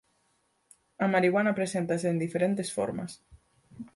A marihuana preséntase en diferentes formas.